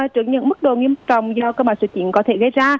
trước những mức độ nghiêm trọng do cơn bão số chín có thể gây ra